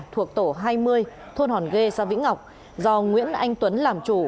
thuộc tổ hai mươi thôn hòn ghe xã vĩnh ngọc do nguyễn anh tuấn làm chủ